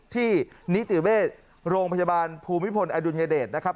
ที่นิติเวชโรงพยาบาลภูมิพลอดุลยเดชนะครับ